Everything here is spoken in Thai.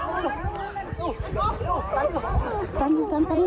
ท่าปะเร็วกว่านี่หน่อย